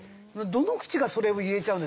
どの口がそれを言えちゃうんですか？